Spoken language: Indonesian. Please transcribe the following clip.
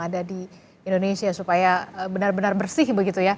ada di indonesia supaya benar benar bersih begitu ya